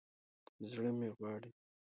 زړه مې غواړي